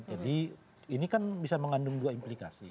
jadi ini kan bisa mengandung dua implikasi